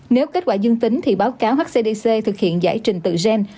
nếu kết quả dương tính thì báo cáo hcdc thực hiện giải trình tự gen